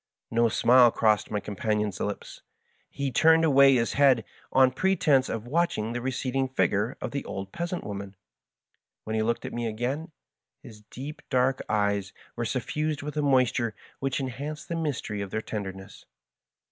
Ko smile crossed m j companion's lips. He tnmed away his head, on pretense of watching the receding figm:e of the old peasant woman. When he looked at me again, his deep dark eyes were soSnsed with a moisture which en hanced the mystery of their tenderness.